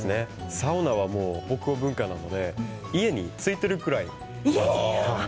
サウナは北欧文化なので家についているくらい。